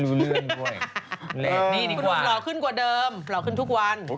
กลัวว่าผมจะต้องไปพูดให้ปากคำกับตำรวจยังไง